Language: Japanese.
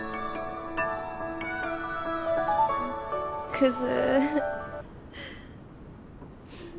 クズ。